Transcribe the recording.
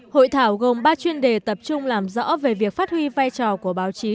hội thảo gồm ba chuyên đề tập trung làm rõ về việc phát huy vai trò của báo chí